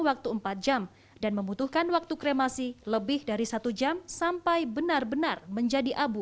waktu empat jam dan membutuhkan waktu kremasi lebih dari satu jam sampai benar benar menjadi abu